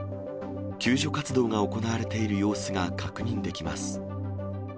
救助活動が行われている様子が確認できます。